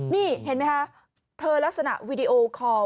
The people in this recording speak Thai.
นี่เห็นไหมคะเธอลักษณะวีดีโอคอล